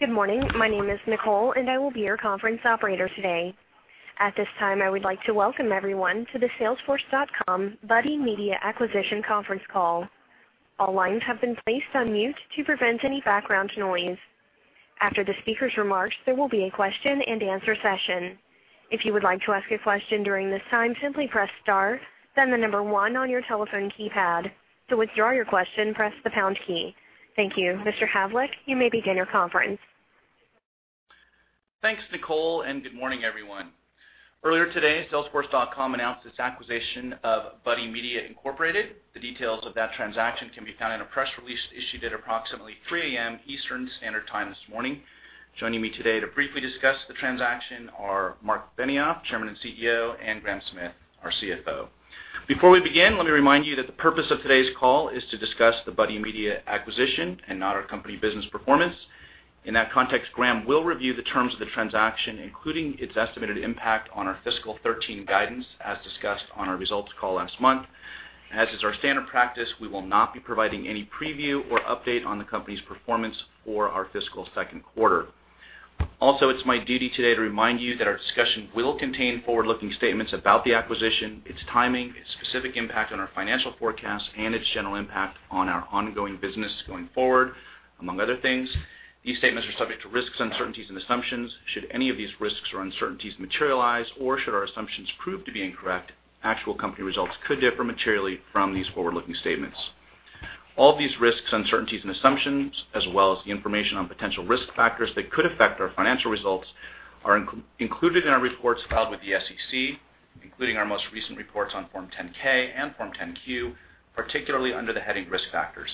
Good morning. My name is Nicole. I will be your conference operator today. At this time, I would like to welcome everyone to the Salesforce.com Buddy Media acquisition conference call. All lines have been placed on mute to prevent any background noise. After the speakers' remarks, there will be a question and answer session. If you would like to ask a question during this time, simply press star, then the number one on your telephone keypad. To withdraw your question, press the pound key. Thank you. Mr. Havlek, you may begin your conference. Thanks, Nicole. Good morning, everyone. Earlier today, Salesforce.com announced its acquisition of Buddy Media, Inc.. The details of that transaction can be found in a press release issued at approximately 3:00 A.M. Eastern Standard Time this morning. Joining me today to briefly discuss the transaction are Marc Benioff, Chairman and CEO, and Graham Smith, our CFO. Before we begin, let me remind you that the purpose of today's call is to discuss the Buddy Media acquisition and not our company business performance. In that context, Graham will review the terms of the transaction, including its estimated impact on our fiscal 2013 guidance, as discussed on our results call last month. As is our standard practice, we will not be providing any preview or update on the company's performance for our fiscal second quarter. It's my duty today to remind you that our discussion will contain forward-looking statements about the acquisition, its timing, its specific impact on our financial forecast, and its general impact on our ongoing business going forward. Among other things, these statements are subject to risks, uncertainties, and assumptions. Should any of these risks or uncertainties materialize, or should our assumptions prove to be incorrect, actual company results could differ materially from these forward-looking statements. All these risks, uncertainties, and assumptions, as well as the information on potential risk factors that could affect our financial results, are included in our reports filed with the SEC, including our most recent reports on Form 10-K and Form 10-Q, particularly under the heading Risk Factors.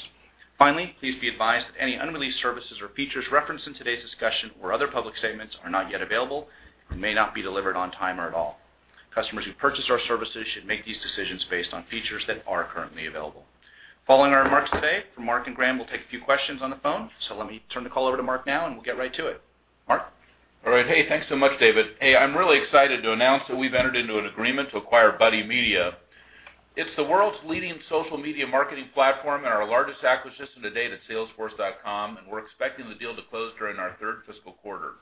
Please be advised that any unreleased services or features referenced in today's discussion or other public statements are not yet available and may not be delivered on time or at all. Customers who purchase our services should make these decisions based on features that are currently available. Following our remarks today from Marc and Graham, we'll take a few questions on the phone. Let me turn the call over to Marc now. We'll get right to it. Marc? All right. Hey, thanks so much, David. Hey, I'm really excited to announce that we've entered into an agreement to acquire Buddy Media. It's the world's leading social media marketing platform and our largest acquisition to date at Salesforce.com, and we're expecting the deal to close during our third fiscal quarter.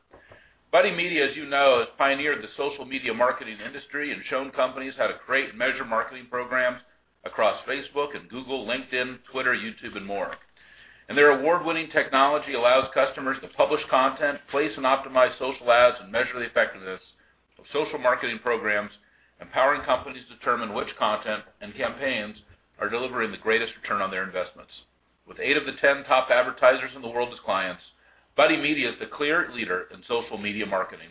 Buddy Media, as you know, has pioneered the social media marketing industry and shown companies how to create and measure marketing programs across Facebook and Google, LinkedIn, Twitter, YouTube, and more. Their award-winning technology allows customers to publish content, place and optimize social ads, and measure the effectiveness of social marketing programs, empowering companies to determine which content and campaigns are delivering the greatest return on their investments. With eight of the 10 top advertisers in the world as clients, Buddy Media is the clear leader in social media marketing.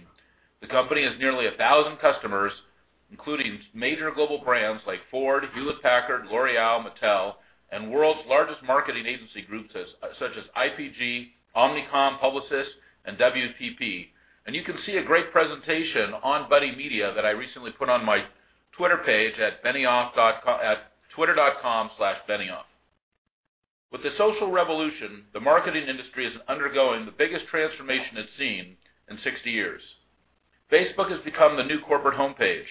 The company has nearly 1,000 customers, including major global brands like Ford, Hewlett-Packard, L'Oreal, Mattel, and world's largest marketing agency groups such as IPG, Omnicom, Publicis, and WPP. You can see a great presentation on Buddy Media that I recently put on my Twitter page at twitter.com/benioff. With the social revolution, the marketing industry is undergoing the biggest transformation it's seen in 60 years. Facebook has become the new corporate homepage,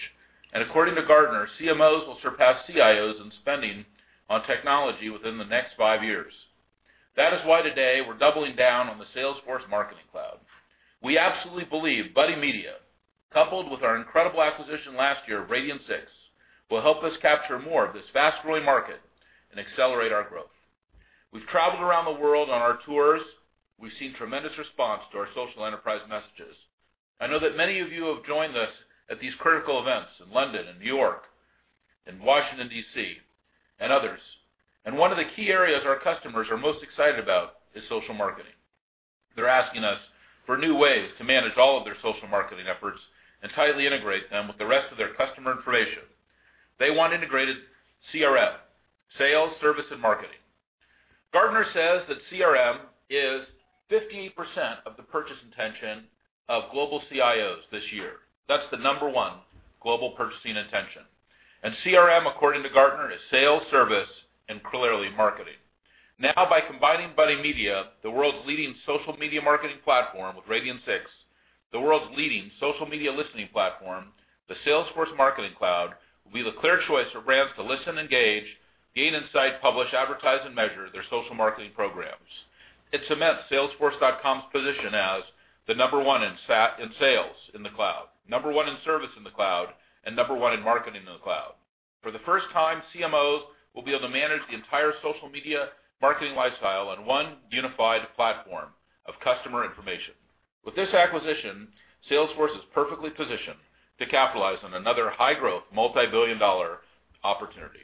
according to Gartner, CMOs will surpass CIOs in spending on technology within the next five years. That is why today we're doubling down on the Salesforce Marketing Cloud. We absolutely believe Buddy Media, coupled with our incredible acquisition last year of Radian6, will help us capture more of this fast-growing market and accelerate our growth. We've traveled around the world on our tours. We've seen tremendous response to our social enterprise messages. I know that many of you have joined us at these critical events in London and New York and Washington, D.C., and others. One of the key areas our customers are most excited about is social marketing. They're asking us for new ways to manage all of their social marketing efforts and tightly integrate them with the rest of their customer information. They want integrated CRM, sales, service, and marketing. Gartner says that CRM is 58% of the purchase intention of global CIOs this year. That's the number 1 global purchasing intention. CRM, according to Gartner, is sales, service, and clearly marketing. Now, by combining Buddy Media, the world's leading social media marketing platform, with Radian6, the world's leading social media listening platform, the Salesforce Marketing Cloud will be the clear choice for brands to listen, engage, gain insight, publish, advertise, and measure their social marketing programs. It cements Salesforce.com's position as the number 1 in sales in the cloud, number 1 in service in the cloud, and number 1 in marketing in the cloud. For the first time, CMOs will be able to manage the entire social media marketing lifestyle on 1 unified platform of customer information. With this acquisition, Salesforce is perfectly positioned to capitalize on another high-growth, multibillion-dollar opportunity.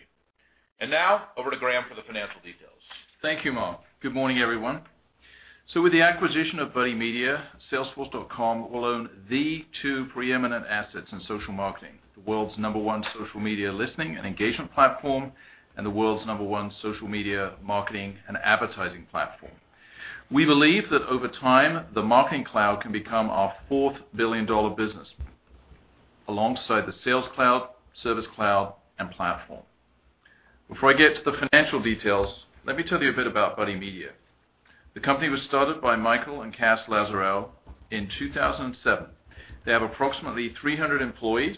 Now, over to Graham for the financial details. Thank you, Marc. Good morning, everyone. With the acquisition of Buddy Media, Salesforce.com will own the two preeminent assets in social marketing, the world's number one social media listening and engagement platform, and the world's number one social media marketing and advertising platform. We believe that over time, the Marketing Cloud can become our fourth billion-dollar business, alongside the Sales Cloud, Service Cloud, and Platform. Before I get to the financial details, let me tell you a bit about Buddy Media. The company was started by Michael and Kass Lazerow In 2007. They have approximately 300 employees.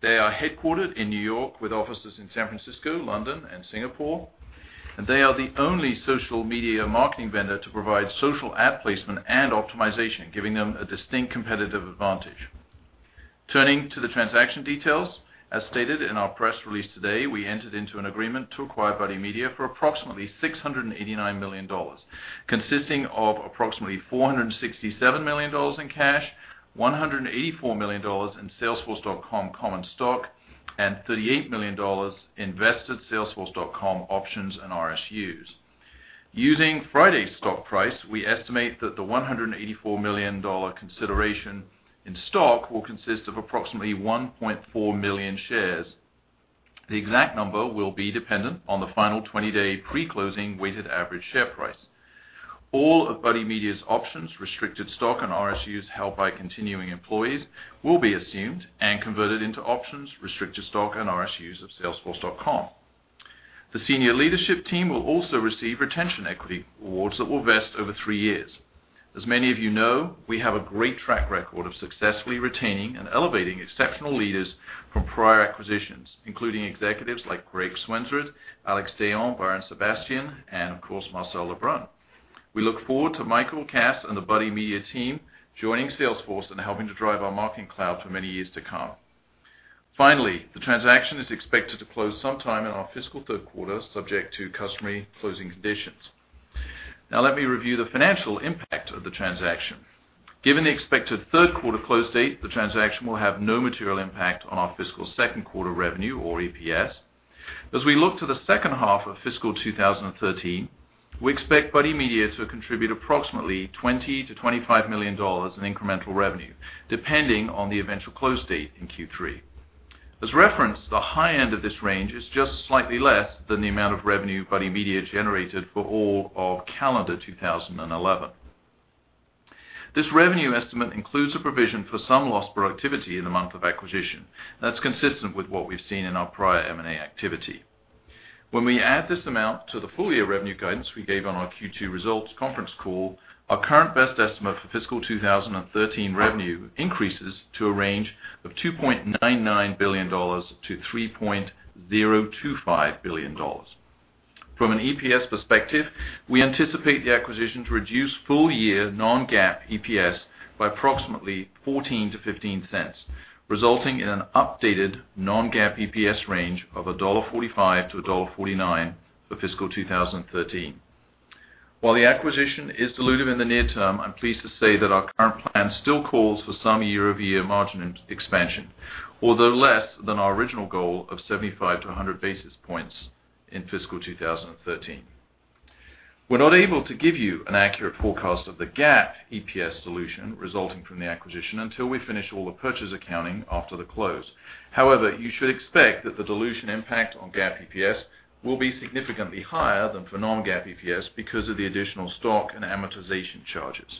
They are headquartered in New York with offices in San Francisco, London, and Singapore. They are the only social media marketing vendor to provide social ad placement and optimization, giving them a distinct competitive advantage. Turning to the transaction details. As stated in our press release today, we entered into an agreement to acquire Buddy Media for approximately $689 million, consisting of approximately $467 million in cash, $184 million in Salesforce.com common stock, and $38 million invested Salesforce.com options and RSUs. Using Friday's stock price, we estimate that the $184 million consideration in stock will consist of approximately 1.4 million shares. The exact number will be dependent on the final 20-day pre-closing weighted average share price. All of Buddy Media's options, restricted stock, and RSUs held by continuing employees will be assumed and converted into options, restricted stock, and RSUs of Salesforce.com. The senior leadership team will also receive retention equity awards that will vest over three years. As many of you know, we have a great track record of successfully retaining and elevating exceptional leaders from prior acquisitions, including executives like Greg Swendsen, Alexandre Dayon, Byron Sebastian, and of course, Marcel LeBrun. We look forward to Michael, Kass and the Buddy Media team joining Salesforce and helping to drive our Marketing Cloud for many years to come. The transaction is expected to close sometime in our fiscal third quarter, subject to customary closing conditions. Let me review the financial impact of the transaction. Given the expected third quarter close date, the transaction will have no material impact on our fiscal second quarter revenue or EPS. As we look to the second half of fiscal 2013, we expect Buddy Media to contribute approximately $20 million to $25 million in incremental revenue, depending on the eventual close date in Q3. As referenced, the high end of this range is just slightly less than the amount of revenue Buddy Media generated for all of calendar 2011. This revenue estimate includes a provision for some lost productivity in the month of acquisition. That's consistent with what we've seen in our prior M&A activity. When we add this amount to the full-year revenue guidance we gave on our Q2 results conference call, our current best estimate for fiscal 2013 revenue increases to a range of $2.99 billion-$3.025 billion. From an EPS perspective, we anticipate the acquisition to reduce full-year non-GAAP EPS by approximately $0.14-$0.15, resulting in an updated non-GAAP EPS range of $1.45-$1.49 for fiscal 2013. While the acquisition is dilutive in the near term, I'm pleased to say that our current plan still calls for some year-over-year margin expansion, although less than our original goal of 75-100 basis points in fiscal 2013. We're not able to give you an accurate forecast of the GAAP EPS dilution resulting from the acquisition until we finish all the purchase accounting after the close. However, you should expect that the dilution impact on GAAP EPS will be significantly higher than for non-GAAP EPS because of the additional stock and amortization charges.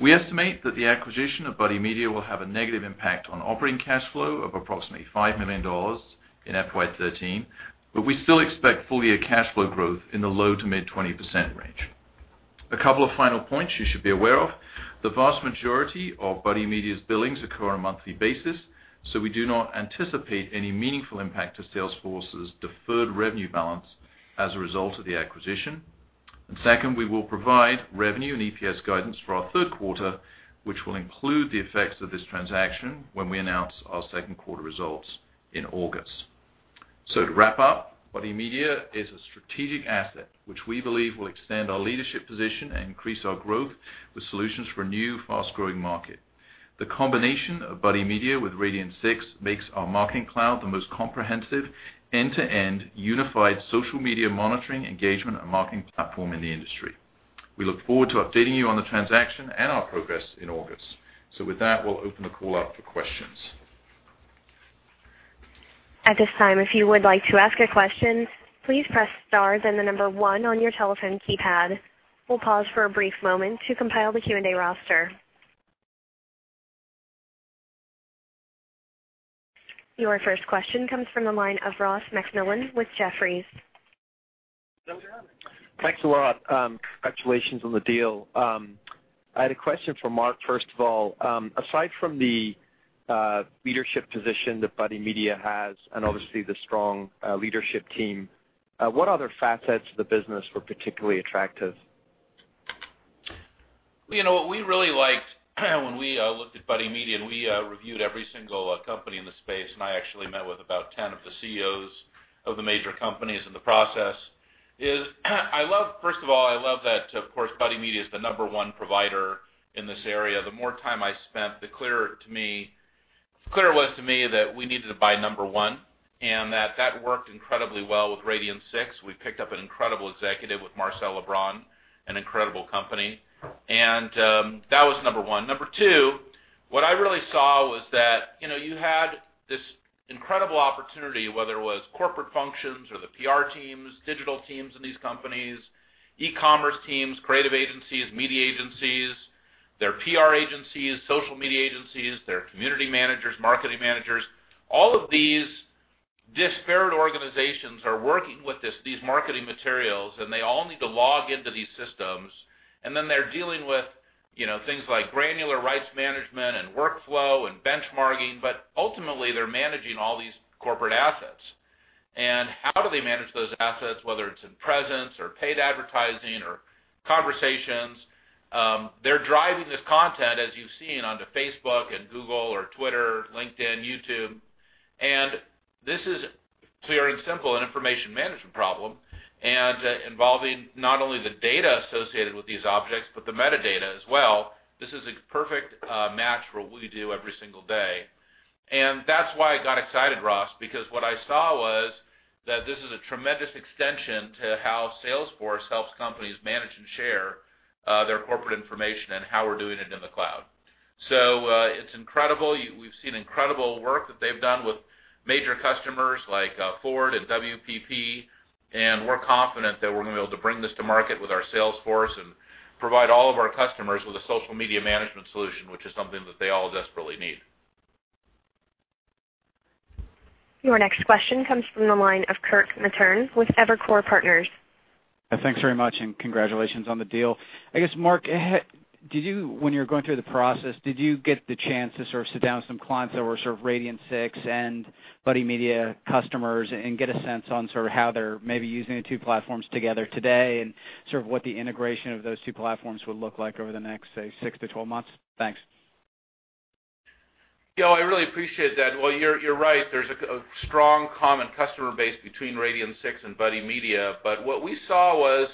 We estimate that the acquisition of Buddy Media will have a negative impact on operating cash flow of approximately $5 million in FY 2013, but we still expect full-year cash flow growth in the low to mid 20% range. A couple of final points you should be aware of. The vast majority of Buddy Media's billings occur on a monthly basis, we do not anticipate any meaningful impact to Salesforce's deferred revenue balance as a result of the acquisition. Second, we will provide revenue and EPS guidance for our third quarter, which will include the effects of this transaction when we announce our second quarter results in August. To wrap up, Buddy Media is a strategic asset, which we believe will extend our leadership position and increase our growth with solutions for a new fast-growing market. The combination of Buddy Media with Radian6 makes our Marketing Cloud the most comprehensive end-to-end unified social media monitoring, engagement, and marketing platform in the industry. We look forward to updating you on the transaction and our progress in August. With that, we'll open the call up for questions. At this time, if you would like to ask a question, please press star then the number one on your telephone keypad. We'll pause for a brief moment to compile the Q&A roster. Your first question comes from the line of Ross MacMillan with Jefferies. Thanks a lot. Congratulations on the deal. I had a question for Marc, first of all. Aside from the leadership position that Buddy Media has, and obviously the strong leadership team, what other facets of the business were particularly attractive? What we really liked when we looked at Buddy Media, and we reviewed every single company in the space, and I actually met with about 10 of the CEOs of the major companies in the process, is first of all, I love that, of course, Buddy Media is the number one provider in this area. The more time I spent, the clearer it was to me that we needed to buy number one, and that that worked incredibly well with Radian6. We picked up an incredible executive with Marcel LeBrun, an incredible company, and that was number one. Number two, what I really saw was that you had this incredible opportunity, whether it was corporate functions or the PR teams, digital teams in these companies, e-commerce teams, creative agencies, media agencies, their PR agencies, social media agencies, their community managers, marketing managers. All of these Disparate organizations are working with these marketing materials, they all need to log into these systems. Then they're dealing with things like granular rights management and workflow and benchmarking, but ultimately, they're managing all these corporate assets. How do they manage those assets, whether it's in presence or paid advertising or conversations? They're driving this content, as you've seen, onto Facebook and Google or Twitter, LinkedIn, YouTube. This is clear and simple, an information management problem, and involving not only the data associated with these objects, but the metadata as well. This is a perfect match for what we do every single day. That's why I got excited, Ross, because what I saw was that this is a tremendous extension to how Salesforce helps companies manage and share their corporate information and how we're doing it in the cloud. It's incredible. We've seen incredible work that they've done with major customers like Ford and WPP, we're confident that we're going to be able to bring this to market with our Salesforce and provide all of our customers with a social media management solution, which is something that they all desperately need. Your next question comes from the line of Kirk Materne with Evercore Partners. Thanks very much. Congratulations on the deal. I guess, Marc, when you were going through the process, did you get the chance to sit down with some clients that were Radian6 and Buddy Media customers and get a sense on how they're maybe using the two platforms together today and what the integration of those two platforms will look like over the next, say, six to 12 months? Thanks. I really appreciate that. Well, you're right. There's a strong common customer base between Radian6 and Buddy Media. What we saw was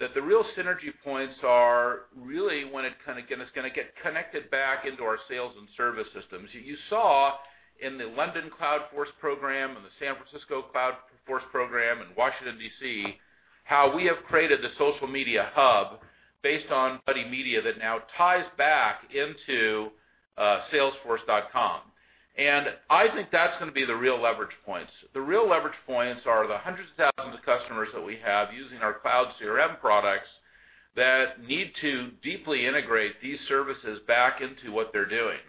that the real synergy points are really when it's going to get connected back into our sales and service systems. You saw in the London Cloudforce program and the San Francisco Cloudforce program and Washington, D.C., how we have created the social media hub based on Buddy Media that now ties back into salesforce.com. I think that's going to be the real leverage points. The real leverage points are the hundreds of thousands of customers that we have using our cloud CRM products that need to deeply integrate these services back into what they're doing.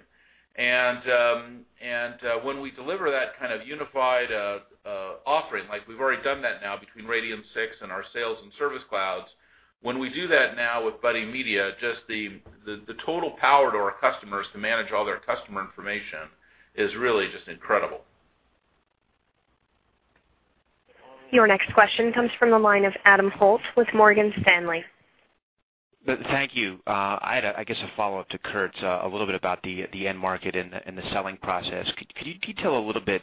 When we deliver that kind of unified offering, like we've already done that now between Radian6 and our sales and service clouds. When we do that now with Buddy Media, just the total power to our customers to manage all their customer information is really just incredible. Your next question comes from the line of Adam Holt with Morgan Stanley. Thank you. I had, I guess, a follow-up to Kirk, a little bit about the end market and the selling process. Could you tell a little bit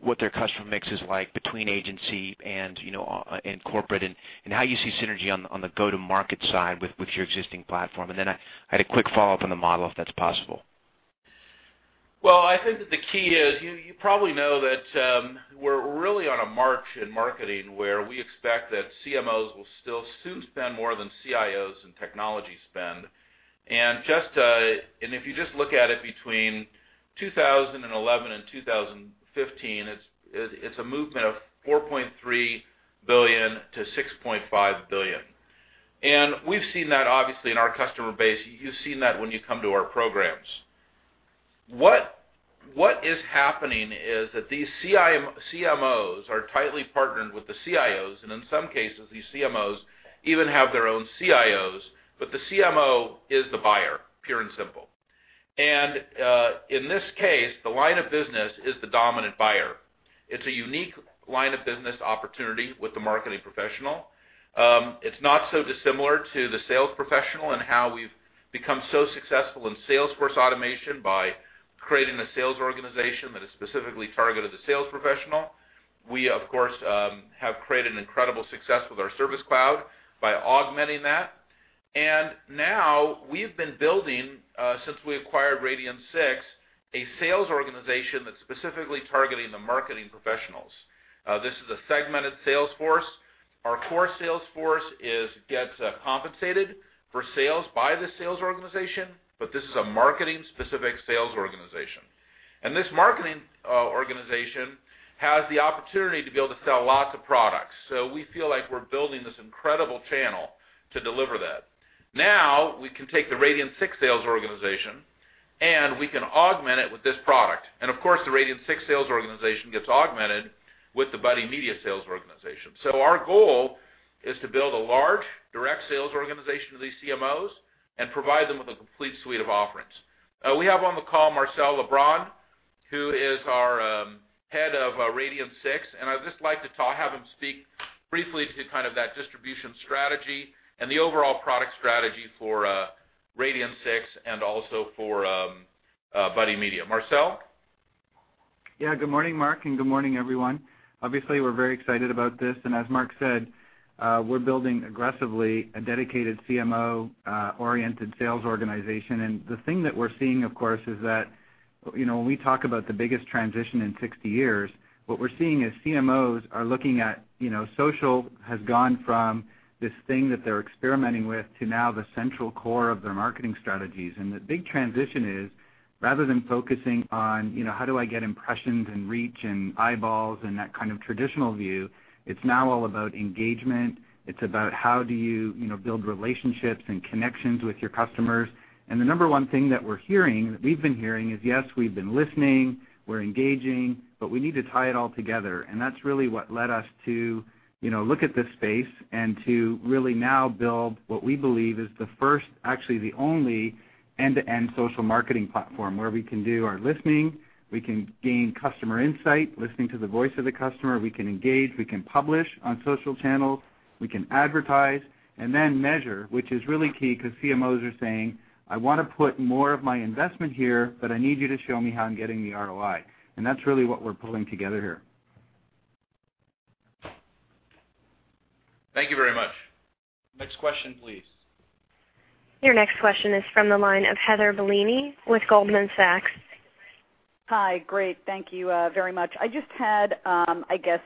what their customer mix is like between agency and corporate, and how you see synergy on the go-to-market side with your existing platform? Then I had a quick follow-up on the model, if that's possible. Well, I think that the key is, you probably know that we're really on a march in marketing where we expect that CMOs will still soon spend more than CIOs in technology spend. If you just look at it between 2011 and 2015, it's a movement of $4.3 billion-$6.5 billion. We've seen that obviously in our customer base. You've seen that when you come to our programs. What is happening is that these CMOs are tightly partnered with the CIOs, and in some cases, these CMOs even have their own CIOs, but the CMO is the buyer, pure and simple. In this case, the line of business is the dominant buyer. It's a unique line of business opportunity with the marketing professional. It's not so dissimilar to the sales professional and how we've become so successful in Salesforce automation by creating a sales organization that is specifically targeted to sales professional. We, of course, have created an incredible success with our Service Cloud by augmenting that. Now, we've been building, since we acquired Radian6, a sales organization that's specifically targeting the marketing professionals. This is a segmented sales force. Our core sales force gets compensated for sales by the sales organization, but this is a marketing-specific sales organization. This marketing organization has the opportunity to be able to sell lots of products. We feel like we're building this incredible channel to deliver that. Now, we can take the Radian6 sales organization, and we can augment it with this product. Of course, the Radian6 sales organization gets augmented with the Buddy Media sales organization. Our goal is to build a large direct sales organization to these CMOs and provide them with a complete suite of offerings. We have on the call Marcel LeBrun, who is our head of Radian6, and I'd just like to have him speak briefly to that distribution strategy and the overall product strategy for Radian6 and also for Buddy Media. Marcel? Yeah, good morning, Marc, and good morning, everyone. Obviously, we're very excited about this. As Marc said, we're building aggressively a dedicated CMO-oriented sales organization. The thing that we're seeing, of course, is that when we talk about the biggest transition in 60 years, what we're seeing is CMOs are looking at social has gone from this thing that they're experimenting with to now the central core of their marketing strategies. The big transition is rather than focusing on how do I get impressions and reach and eyeballs and that kind of traditional view, it's now all about engagement. It's about how do you build relationships and connections with your customers. The number one thing that we're hearing, that we've been hearing is, yes, we've been listening, we're engaging, but we need to tie it all together. That's really what led us to look at this space and to really now build what we believe is the first, actually the only end-to-end social marketing platform where we can do our listening, we can gain customer insight, listening to the voice of the customer. We can engage, we can publish on social channels, we can advertise and then measure, which is really key because CMOs are saying, "I want to put more of my investment here, but I need you to show me how I'm getting the ROI." That's really what we're pulling together here. Thank you very much. Next question, please. Your next question is from the line of Heather Bellini with Goldman Sachs. Hi. Great. Thank you very much. I just had, I guess,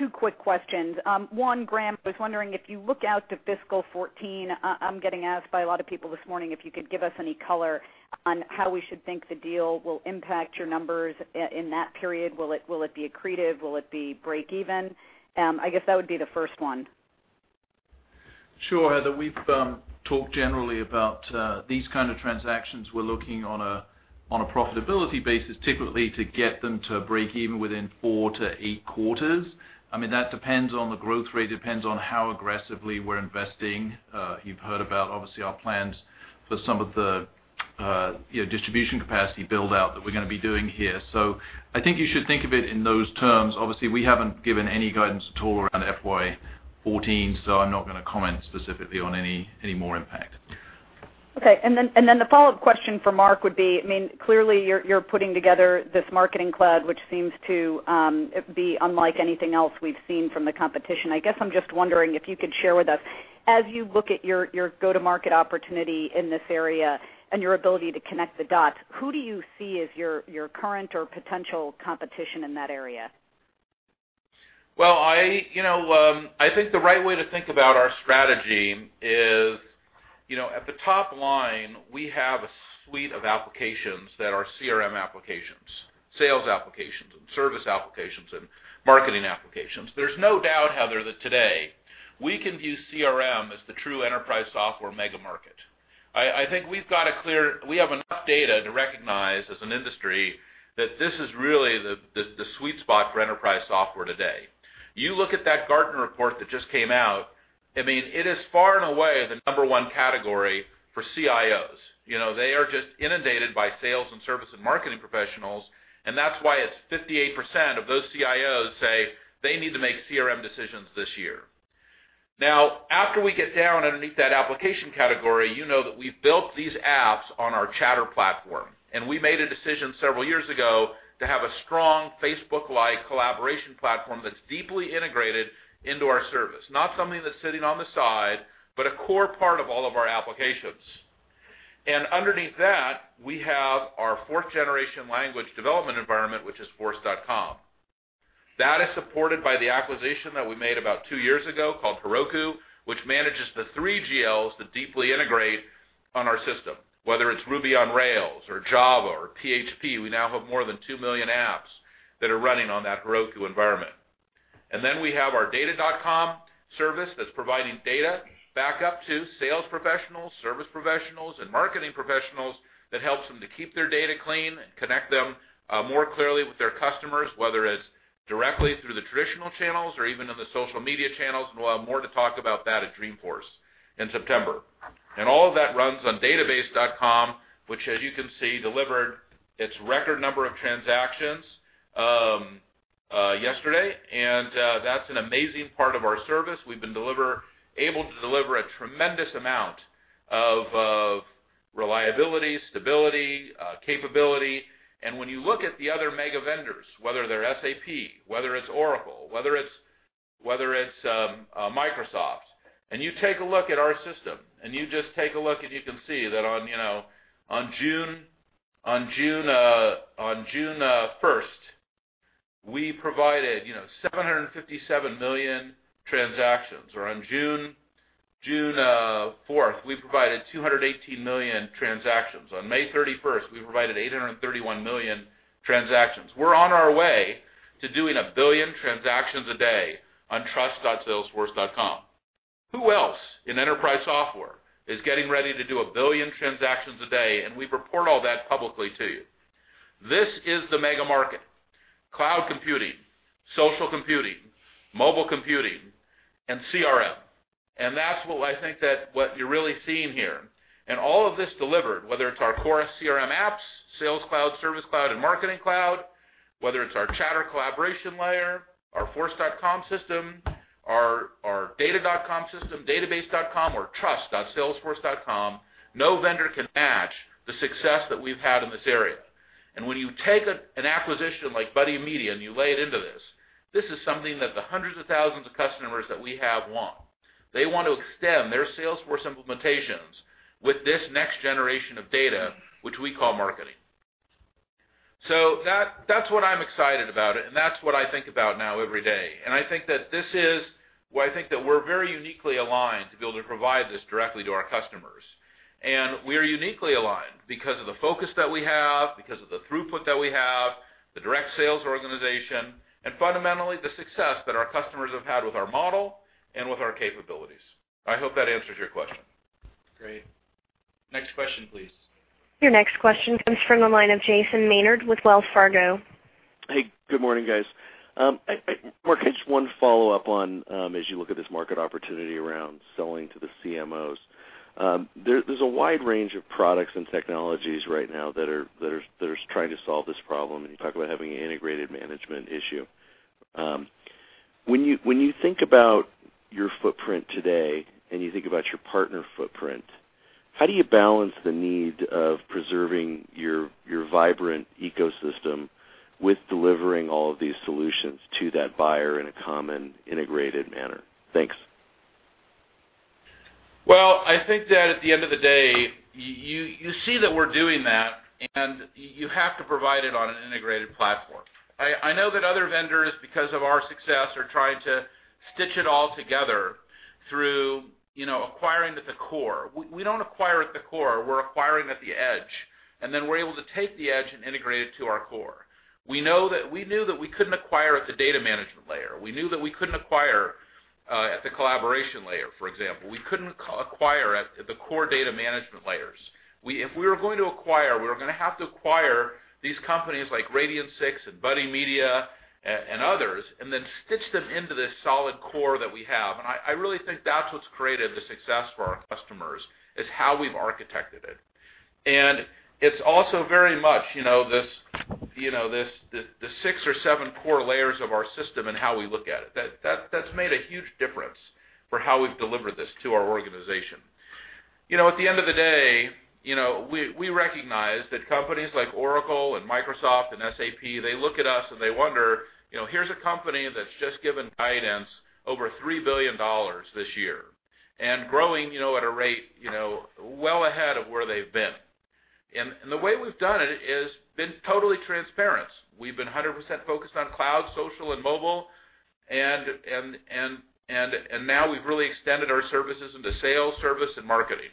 two quick questions. One, Graham, I was wondering if you look out to fiscal 2014, I'm getting asked by a lot of people this morning if you could give us any color on how we should think the deal will impact your numbers in that period. Will it be accretive? Will it be breakeven? I guess that would be the first one. Sure, Heather. We've talked generally about these kind of transactions we're looking on a profitability basis, typically to get them to breakeven within four to eight quarters. That depends on the growth rate, depends on how aggressively we're investing. You've heard about, obviously, our plans for some of the distribution capacity build-out that we're going to be doing here. I think you should think of it in those terms. Obviously, we haven't given any guidance at all around FY 2014, so I'm not going to comment specifically on any more impact. Okay. Then the follow-up question for Marc would be, clearly you're putting together this Marketing Cloud, which seems to be unlike anything else we've seen from the competition. I guess I'm just wondering if you could share with us, as you look at your go-to-market opportunity in this area and your ability to connect the dots, who do you see as your current or potential competition in that area? Well, I think the right way to think about our strategy is, at the top line, we have a suite of applications that are CRM applications, Sales applications, Service applications, and Marketing applications. There's no doubt, Heather, that today we can view CRM as the true enterprise software mega market. I think we have enough data to recognize, as an industry, that this is really the sweet spot for enterprise software today. You look at that Gartner report that just came out, it is far and away the number 1 category for CIOs. They are just inundated by Sales and Service and Marketing professionals, and that's why it's 58% of those CIOs say they need to make CRM decisions this year. Now, after we get down underneath that application category, you know that we've built these apps on our Chatter platform, we made a decision several years ago to have a strong Facebook-like collaboration platform that's deeply integrated into our service. Not something that's sitting on the side, but a core part of all of our applications. Underneath that, we have our fourth-generation language development environment, which is Force.com. That is supported by the acquisition that we made about two years ago, called Heroku, which manages the three GLs that deeply integrate on our system, whether it's Ruby on Rails or Java or PHP. We now have more than two million apps that are running on that Heroku environment. Then we have our Data.com service that's providing data back up to Sales professionals, Service professionals, and Marketing professionals that helps them to keep their data clean and connect them more clearly with their customers, whether it's directly through the traditional channels or even in the social media channels. We'll have more to talk about that at Dreamforce in September. All of that runs on Database.com, which, as you can see, delivered its record number of transactions yesterday, and that's an amazing part of our service. We've been able to deliver a tremendous amount of reliability, stability, capability. When you look at the other mega vendors, whether they're SAP, whether it's Oracle, whether it's Microsoft, you take a look at our system, you just take a look and you can see that on June 1st, we provided 757 million transactions. On June 4th, we provided 218 million transactions. On May 31st, we provided 831 million transactions. We're on our way to doing a billion transactions a day on trust.salesforce.com. Who else in enterprise software is getting ready to do a billion transactions a day, and we report all that publicly, too. This is the mega market, cloud computing, social computing, mobile computing, and CRM. That's what I think that what you're really seeing here. All of this delivered, whether it's our core CRM apps, Sales Cloud, Service Cloud, and Marketing Cloud, whether it's our Chatter collaboration layer, our force.com system, our data.com system, database.com or trust.salesforce.com, no vendor can match the success that we've had in this area. When you take an acquisition like Buddy Media and you lay it into this is something that the hundreds of thousands of customers that we have want. They want to extend their Salesforce implementations with this next generation of data, which we call marketing. That's what I'm excited about, and that's what I think about now every day. I think that this is why I think that we're very uniquely aligned to be able to provide this directly to our customers. We are uniquely aligned because of the focus that we have, because of the throughput that we have, the direct sales organization, and fundamentally, the success that our customers have had with our model and with our capabilities. I hope that answers your question. Great. Next question, please. Your next question comes from the line of Jason Maynard with Wells Fargo. Hey, good morning, guys. Marc, I just have one follow-up on, as you look at this market opportunity around selling to the CMOs. There's a wide range of products and technologies right now that are trying to solve this problem, and you talk about having an integrated management issue. When you think about your footprint today, and you think about your partner footprint. How do you balance the need of preserving your vibrant ecosystem with delivering all of these solutions to that buyer in a common integrated manner? Thanks. Well, I think that at the end of the day, you see that we're doing that, and you have to provide it on an integrated platform. I know that other vendors, because of our success, are trying to stitch it all together through acquiring at the core. We don't acquire at the core. We're acquiring at the edge, and then we're able to take the edge and integrate it to our core. We knew that we couldn't acquire at the data management layer. We knew that we couldn't acquire at the collaboration layer, for example. We couldn't acquire at the core data management layers. If we were going to acquire, we were going to have to acquire these companies like Radian6 and Buddy Media, and others, and then stitch them into this solid core that we have. I really think that's what's created the success for our customers, is how we've architected it. It's also very much the six or seven core layers of our system and how we look at it. That's made a huge difference for how we've delivered this to our organization. At the end of the day, we recognize that companies like Oracle and Microsoft and SAP, they look at us and they wonder, here's a company that's just given guidance over $3 billion this year, and growing at a rate well ahead of where they've been. The way we've done it is been totally transparent. We've been 100% focused on cloud, social, and mobile, and now we've really extended our services into sales, service, and marketing,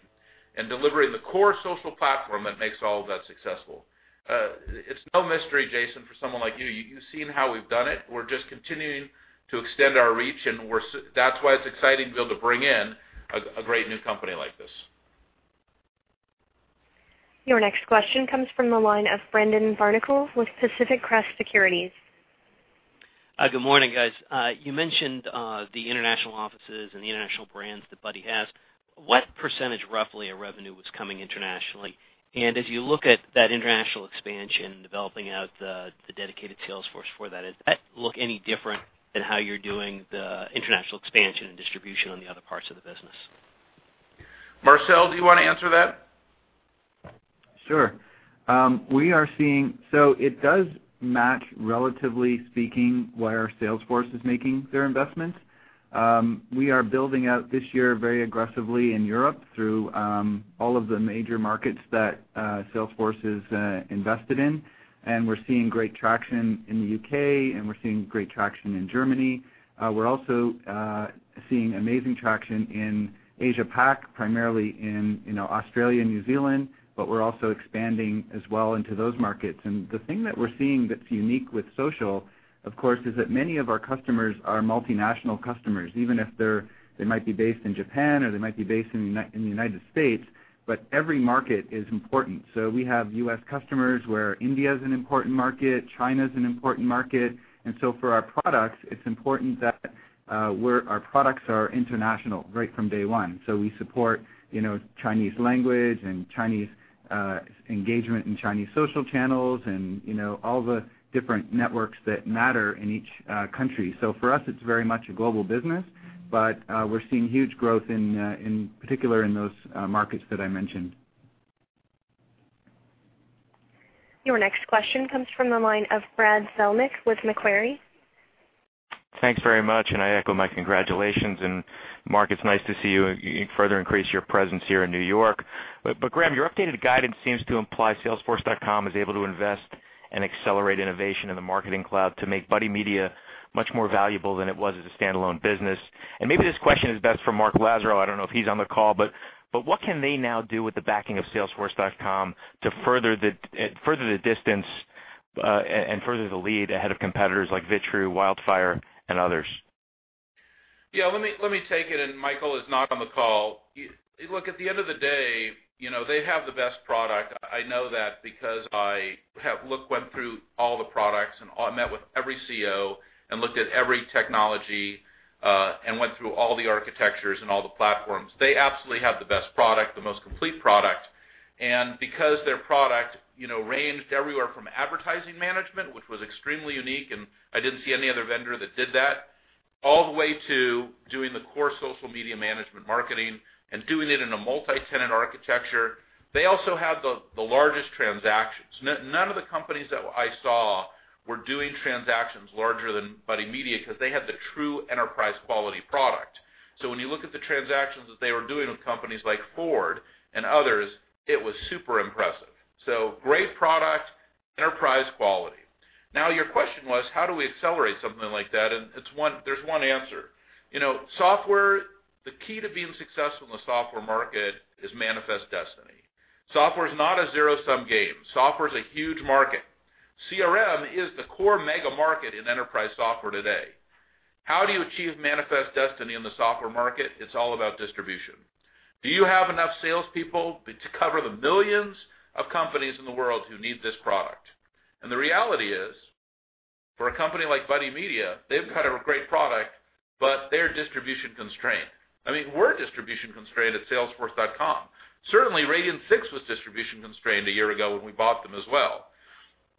and delivering the core social platform that makes all of that successful. It's no mystery, Jason, for someone like you. You've seen how we've done it. We're just continuing to extend our reach, and that's why it's exciting to be able to bring in a great new company like this. Your next question comes from the line of Brendan Barnicle with Pacific Crest Securities. Good morning, guys. You mentioned the international offices and the international brands that Buddy has. What percentage, roughly, of revenue was coming internationally? As you look at that international expansion, developing out the dedicated sales force for that, does that look any different than how you're doing the international expansion and distribution on the other parts of the business? Marcel, do you want to answer that? Sure. It does match, relatively speaking, where our sales force is making their investments. We are building out this year very aggressively in Europe through all of the major markets that Salesforce is invested in, and we're seeing great traction in the U.K., and we're seeing great traction in Germany. We're also seeing amazing traction in Asia-Pac, primarily in Australia and New Zealand, but we're also expanding as well into those markets. The thing that we're seeing that's unique with social, of course, is that many of our customers are multinational customers, even if they might be based in Japan or they might be based in the United States, but every market is important. We have U.S. customers where India's an important market, China's an important market. For our products, it's important that our products are international right from day one. We support Chinese language and Chinese engagement in Chinese social channels and all the different networks that matter in each country. For us, it's very much a global business, but we're seeing huge growth in particular in those markets that I mentioned. Your next question comes from the line of Brad Zelnick with Macquarie. Thanks very much, and I echo my congratulations. Marc, it's nice to see you further increase your presence here in New York. Graham, your updated guidance seems to imply Salesforce.com is able to invest and accelerate innovation in the Marketing Cloud to make Buddy Media much more valuable than it was as a standalone business. Maybe this question is best for Michael Lazerow. I don't know if he's on the call. What can they now do with the backing of Salesforce.com to further the distance, and further the lead ahead of competitors like Vitrue, Wildfire, and others? Yeah, let me take it. Michael is not on the call. Look, at the end of the day, they have the best product. I know that because I went through all the products, and I met with every CIO, and looked at every technology, and went through all the architectures and all the platforms. They absolutely have the best product, the most complete product. Because their product ranged everywhere from advertising management, which was extremely unique, and I didn't see any other vendor that did that, all the way to doing the core social media management marketing and doing it in a multi-tenant architecture. They also have the largest transactions. None of the companies that I saw were doing transactions larger than Buddy Media because they had the true enterprise-quality product. When you look at the transactions that they were doing with companies like Ford and others, it was super impressive. Great product, enterprise quality. Your question was, how do we accelerate something like that? There is one answer. The key to being successful in the software market is manifest destiny. Software's not a zero-sum game. Software's a huge market. CRM is the core mega market in enterprise software today. How do you achieve manifest destiny in the software market? It's all about distribution. Do you have enough salespeople to cover the millions of companies in the world who need this product? The reality is, for a company like Buddy Media, they've got a great product, but they're distribution-constrained. We're distribution-constrained at Salesforce.com. Certainly, Radian6 was distribution-constrained a year ago when we bought them as well.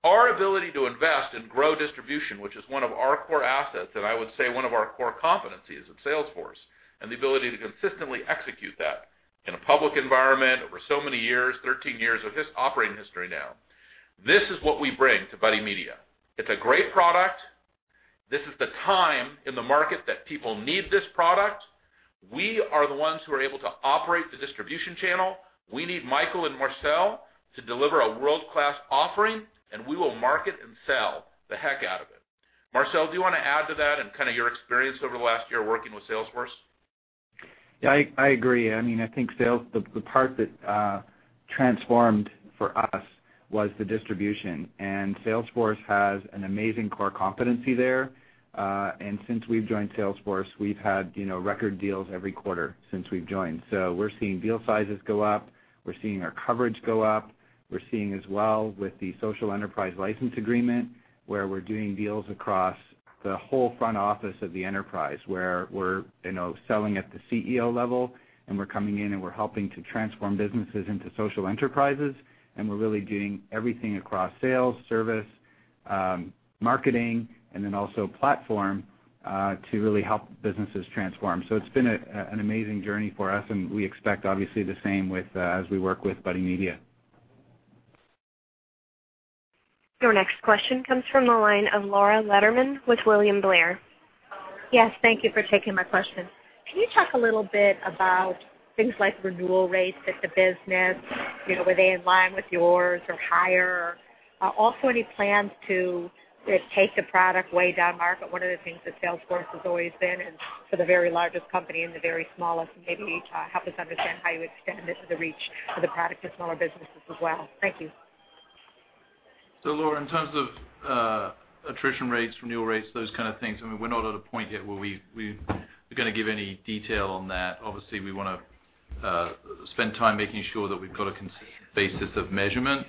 Our ability to invest and grow distribution, which is one of our core assets, and I would say one of our core competencies at Salesforce, and the ability to consistently execute that in a public environment over so many years, 13 years of operating history now, this is what we bring to Buddy Media. It's a great product. This is the time in the market that people need this product. We are the ones who are able to operate the distribution channel. We need Michael and Marcel to deliver a world-class offering, and we will market and sell the heck out of it. Marcel, do you want to add to that and kind of your experience over the last year working with Salesforce? Yeah, I agree. I think the part that transformed for us was the distribution. Salesforce has an amazing core competency there. Since we've joined Salesforce, we've had record deals every quarter since we've joined. We're seeing deal sizes go up. We're seeing our coverage go up. We're seeing as well with the social enterprise license agreement, where we're doing deals across the whole front office of the enterprise, where we're selling at the CEO level, and we're coming in and we're helping to transform businesses into social enterprises, and we're really doing everything across sales, service, marketing, and then also platform to really help businesses transform. It's been an amazing journey for us, and we expect obviously the same as we work with Buddy Media. Your next question comes from the line of Laura Lederman with William Blair. Yes, thank you for taking my question. Can you talk a little bit about things like renewal rates at the business? Were they in line with yours or higher? Any plans to take the product way down market? One of the things that Salesforce has always been is for the very largest company and the very smallest, maybe help us understand how you extend the reach of the product to smaller businesses as well. Thank you. Laura, in terms of attrition rates, renewal rates, those kind of things, we're not at a point yet where we are going to give any detail on that. Obviously, we want to spend time making sure that we've got a consistent basis of measurement.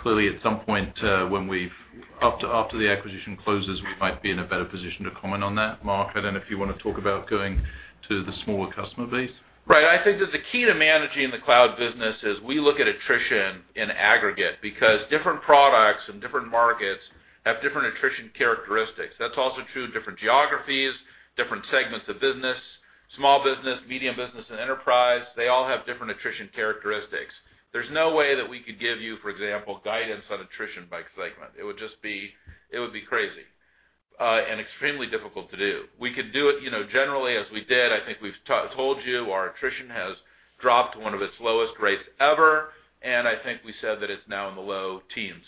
Clearly at some point after the acquisition closes, we might be in a better position to comment on that market. If you want to talk about going to the smaller customer base. Right. I think that the key to managing the cloud business is we look at attrition in aggregate, because different products and different markets have different attrition characteristics. That's also true in different geographies, different segments of business, small business, medium business, and enterprise. They all have different attrition characteristics. There's no way that we could give you, for example, guidance on attrition by segment. It would be crazy and extremely difficult to do. We could do it generally as we did. I think we've told you our attrition has dropped to one of its lowest rates ever, and I think we said that it's now in the low teens.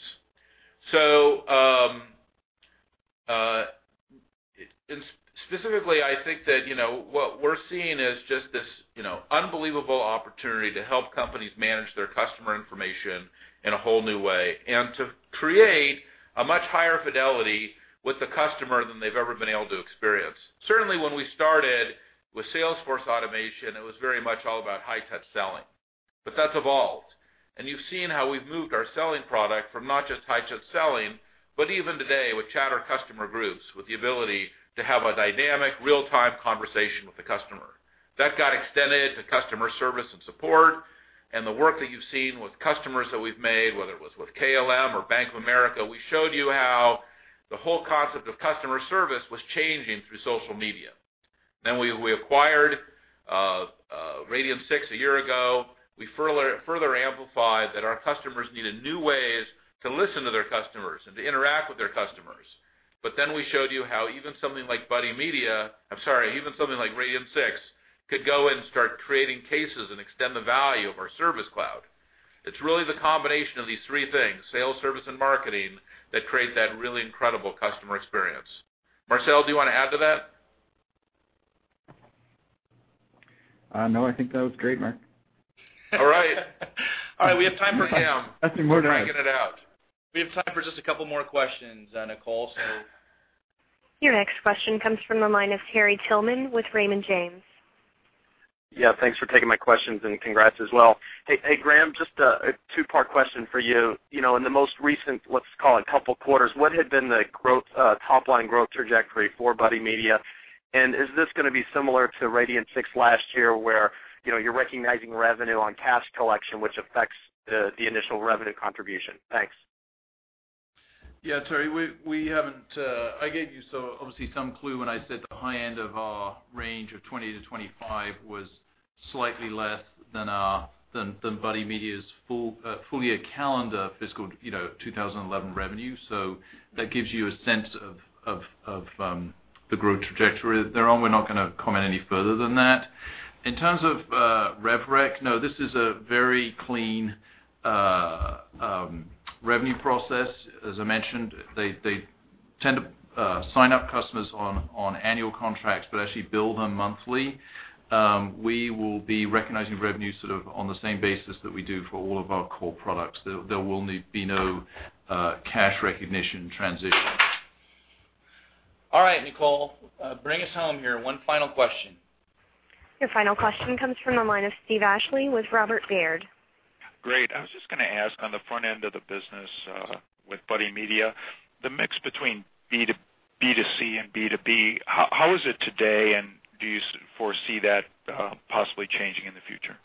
Specifically, I think that what we're seeing is just this unbelievable opportunity to help companies manage their customer information in a whole new way, and to create a much higher fidelity with the customer than they've ever been able to experience. Certainly, when we started with Salesforce automation, it was very much all about high-touch selling. That's evolved. You've seen how we've moved our selling product from not just high-touch selling, but even today with Chatter customer groups, with the ability to have a dynamic real-time conversation with the customer. That got extended to customer service and support, and the work that you've seen with customers that we've made, whether it was with KLM or Bank of America. We showed you how the whole concept of customer service was changing through social media. We acquired Radian6 a year ago. We further amplified that our customers needed new ways to listen to their customers and to interact with their customers. We showed you how even something like Radian6 could go and start creating cases and extend the value of our Service Cloud. It's really the combination of these three things, sales, service, and marketing, that create that really incredible customer experience. Marcel, do you want to add to that? No, I think that was great, Marc. All right, we have time for- Nothing more to add. We're dragging it out. We have time for just a couple more questions, Nicole. Your next question comes from the line of Terry Tillman with Raymond James. Yeah, thanks for taking my questions and congrats as well. Hey, Graham, just a two-part question for you. In the most recent, let's call it couple quarters, what had been the top line growth trajectory for Buddy Media? Is this going to be similar to Radian6 last year where you're recognizing revenue on cash collection, which affects the initial revenue contribution? Thanks. Yeah, Terry, I gave you obviously some clue when I said the high end of our range of 20%-25% was slightly less than Buddy Media's full year calendar fiscal 2011 revenue. That gives you a sense of the growth trajectory they're on. We're not going to comment any further than that. In terms of rev rec, no, this is a very clean revenue process. As I mentioned, they tend to sign up customers on annual contracts but actually bill them monthly. We will be recognizing revenue sort of on the same basis that we do for all of our core products. There will be no cash recognition transition. All right, Nicole, bring us home here. One final question. Your final question comes from the line of Steve Ashley with Robert W. Baird. Great. I was just going to ask on the front end of the business, with Buddy Media, the mix between B2C and B2B, how is it today? Do you foresee that possibly changing in the future?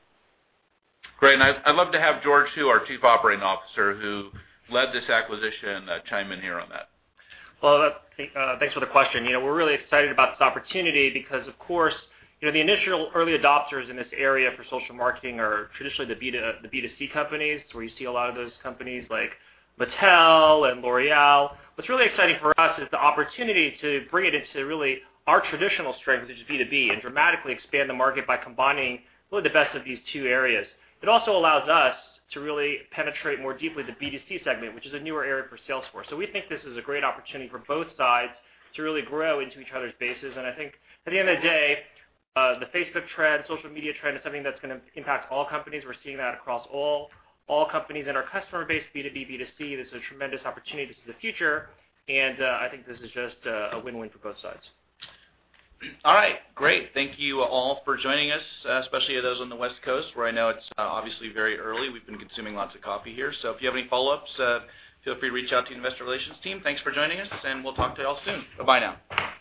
Great, I'd love to have George Hu, our Chief Operating Officer, who led this acquisition, chime in here on that. Thanks for the question. We're really excited about this opportunity because, of course, the initial early adopters in this area for social marketing are traditionally the B2C companies. It's where you see a lot of those companies like Mattel and L'Oreal. What's really exciting for us is the opportunity to bring it into really our traditional strength, which is B2B, and dramatically expand the market by combining really the best of these two areas. It also allows us to really penetrate more deeply the B2C segment, which is a newer area for Salesforce. We think this is a great opportunity for both sides to really grow into each other's bases. I think at the end of the day, the Facebook trend, social media trend, is something that's going to impact all companies. We're seeing that across all companies in our customer base, B2B, B2C. This is a tremendous opportunity. This is the future, and I think this is just a win-win for both sides. All right. Great. Thank you all for joining us, especially those on the West Coast, where I know it's obviously very early. We've been consuming lots of coffee here. If you have any follow-ups, feel free to reach out to the investor relations team. Thanks for joining us, and we'll talk to you all soon. Bye now.